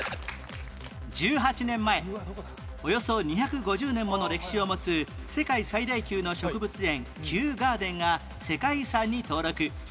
１８年前およそ２５０年もの歴史を持つ世界最大級の植物園キューガーデンが世界遺産に登録